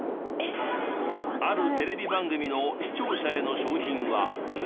あるテレビ番組の視聴者への賞品は。